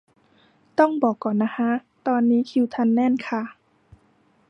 ต้องบอกก่อนนะฮะ ตอนนี้คิวทันแน่นค่ะ